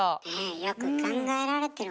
よく考えられてるわね。